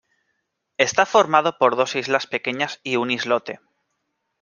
Está formado por dos islas pequeñas y un islote.